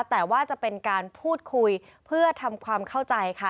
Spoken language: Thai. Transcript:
แต่ว่าจะเป็นการพูดคุยเพื่อทำความเข้าใจค่ะ